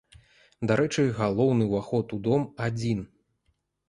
Дарэчы, галоўны ўваход у дом адзін.